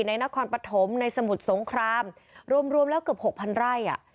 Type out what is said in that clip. ในนครปฐมในสมุทรสงครามรวมแล้วเกือบ๖๐๐๐ไร่